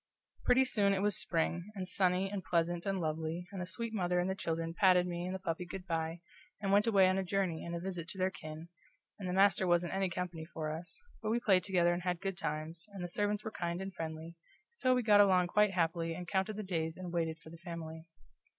Pretty soon it was spring, and sunny and pleasant and lovely, and the sweet mother and the children patted me and the puppy good by, and went away on a journey and a visit to their kin, and the master wasn't any company for us, but we played together and had good times, and the servants were kind and friendly, so we got along quite happily and counted the days and waited for the family.